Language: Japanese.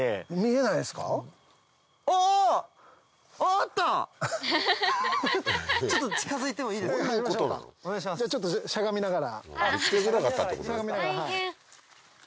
じゃあちょっとしゃがみながら。